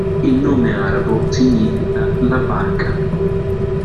Il nome arabo significa "la barca"